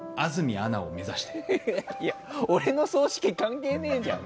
俺の葬式関係ねえじゃん。